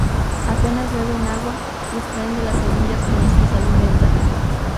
Apenas beben agua, que extraen de las semillas con las que se alimentan.